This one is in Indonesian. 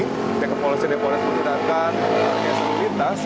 teknologi teknologi yang boleh digunakan rekayasa lintas